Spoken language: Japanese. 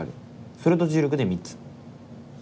それと重力で３つ。